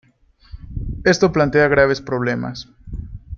Esto plantea graves problemas.